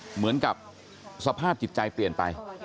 เหมือนกับสภาพจิตใจเปลี่ยนไป